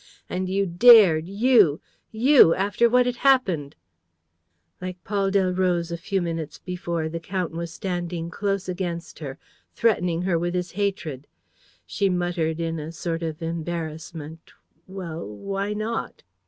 And you dared, you, you, after what had happened ..." Like Paul Delroze a few minutes before, the count was standing close against her, threatening her with his hatred. She muttered, in a sort of embarrassment: "Well, why not?"